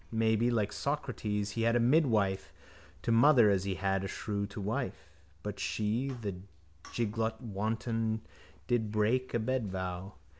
Maybe, like Socrates, he had a midwife to mother as he had a shrew to wife. But she, the giglot wanton, did not break a bedvow.